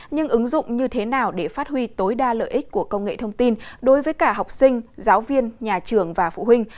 nhưng ứng dụng như thế nào để phát huy tối đa lợi ích của công nghệ thông tin đối với cả học sinh giáo viên nhà trường và phụ huynh